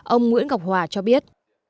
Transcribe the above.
ông nguyễn ngọc hòa cho biết